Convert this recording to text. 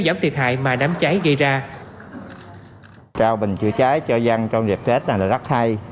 giảm thiệt hại mà đám cháy gây ra trao bình chữa cháy cho dân trong dịp tết này là rất hay